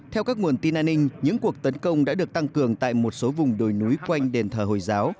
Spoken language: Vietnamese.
theo các nguồn tin an ninh những cuộc tấn công đã được tăng cường tại một số vùng đồi núi quanh đền thờ hồi giáo